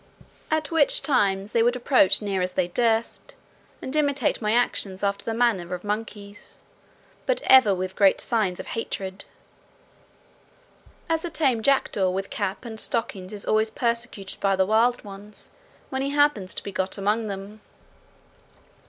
At which times they would approach as near as they durst, and imitate my actions after the manner of monkeys, but ever with great signs of hatred; as a tame jackdaw with cap and stockings is always persecuted by the wild ones, when he happens to be got among them.